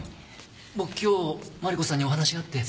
僕今日マリコさんにお話があって。